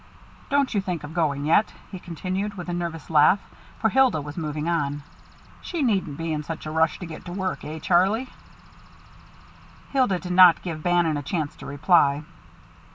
"Don't you think of going yet," he continued, with a nervous laugh, for Hilda was moving on. "She needn't be in such a rush to get to work, eh, Charlie?" Hilda did not give Bannon a chance to reply.